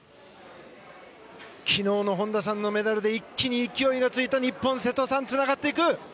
昨日の本多さんのメダルで一気に勢いがついた瀬戸さん、つながっていく。